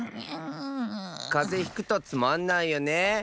かぜひくとつまんないよね。